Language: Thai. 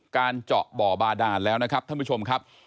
การเจาะบ่อบาดานแล้วนะครับท่านผู้ชมครับ